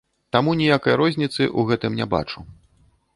Таму ніякай розніцы ў гэтым не бачу.